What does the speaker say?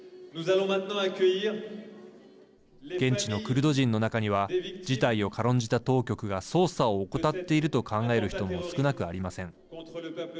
現地のクルド人の中には事態を軽んじた当局が捜査を怠っていると考える人も少なくありません。